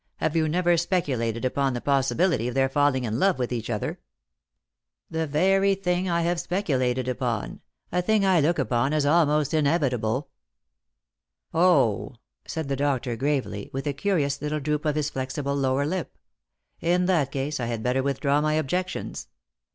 Have you never speculated upon the possibility of their falling in love with each other ?"" The very thing I have speculated upon ; a thing I look upon as almost inevitable." "!" said the doctor gravely, with a curious little droop of his flexible lower lip. " In that case I had better withdraw my objections."